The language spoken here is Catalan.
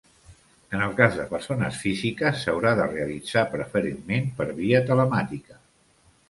En el cas de persones físiques s'haurà de realitzar preferentment per via telemàtica.